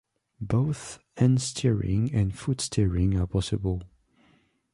Both hand-steering and foot-steering are possible.